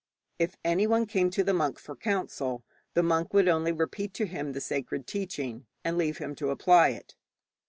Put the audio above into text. If anyone came to the monk for counsel, the monk would only repeat to him the sacred teaching, and leave him to apply it.